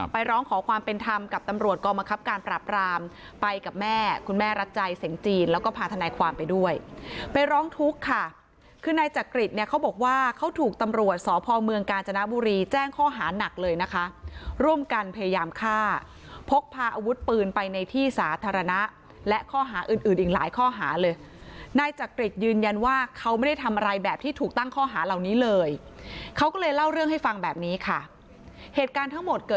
ไปร้องขอความเป็นธรรมกับตำรวจกองมะครับการปราบปรามไปกับแม่คุณแม่รัฐใจเสียงจีนแล้วก็พาธนาความไปด้วยไปร้องทุกข์ค่ะคือในจักริจเนี่ยเขาบอกว่าเขาถูกตำรวจสอพเมืองกาญจนบุรีแจ้งข้อหาหนักเลยนะคะร่วมกันพยายามฆ่าพกพาอาวุธปืนไปในที่สาธารณะและข้อหาอื่นอื่นอีกหลายข้อ